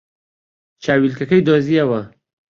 چاویلکەکەی دۆزییەوە.